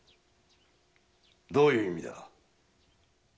どういう意味だ？